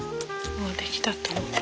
もう出来たと思う。